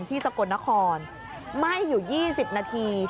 ที่สะกดนครไม่อยู่๒๐นาที